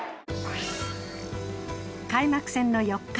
開幕戦の４日前。